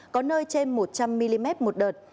có nơi trên một trăm linh mm một đợt